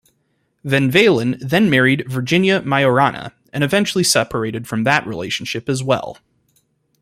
Van Valen then married Virginia Maiorana, and eventually separated from that relationship as well.